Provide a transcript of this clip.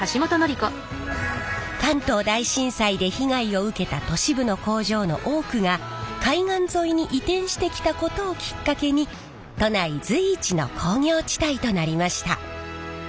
関東大震災で被害を受けた都市部の工場の多くが海岸沿いに移転してきたことをきっかけに都内随一の工業地帯となりました。